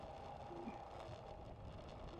为当时世界上最大的军营。